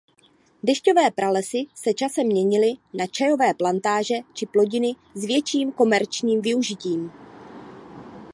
Dešťové pralesy se časem měnili na čajové plantáže či plodiny s větším komerčním využitím.